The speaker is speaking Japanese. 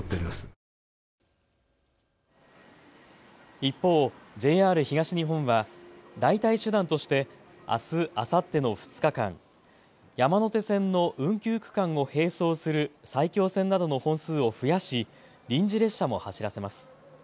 一方、ＪＲ東日本は代替手段としてあす、あさっての２日間、山手線の運休区間を並走する埼京線などの本数を増やし臨時列車も走らせます。